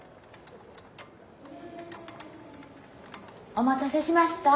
お待たせしました。